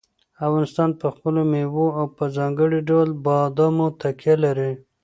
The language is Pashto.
افغانستان په خپلو مېوو او په ځانګړي ډول بادامو تکیه لري.